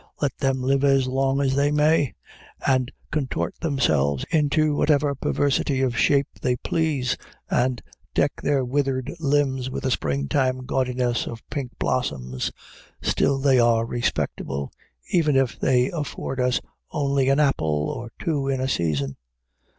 Let them live as long as they may, and contort themselves into whatever perversity of shape they please, and deck their withered limbs with a springtime gaudiness of pink blossoms, still they are respectable, even if they afford us only an apple or two in a season.